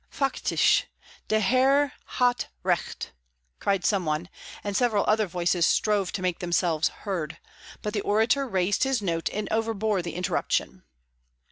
"Factisch! Der Herr hat Recht!" cried some one, and several other voices strove to make themselves heard; but the orator raised his note and overbore interruption.